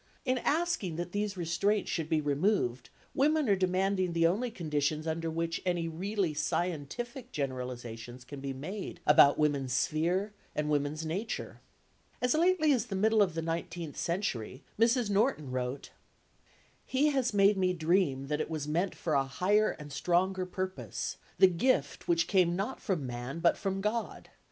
In asking that these restraints should be removed, women are demanding the only conditions under which any really scientific generalisations can be made about woman's sphere and woman's nature. As lately as the middle of the nineteenth century, Mrs. Norton wrote:— "He has made me dream that it was meant for a higher and stronger purpose, that gift which came not from man but from God!